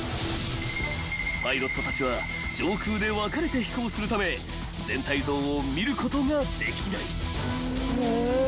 ［パイロットたちは上空で分かれて飛行するため全体像を見ることができない］